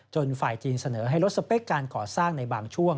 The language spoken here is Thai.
ฝ่ายจีนเสนอให้ลดสเปคการก่อสร้างในบางช่วง